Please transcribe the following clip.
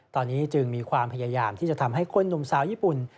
ตอนนี้จึงมีความพยายามที่จะทำให้คนหนุ่มสาวญี่ปุ่น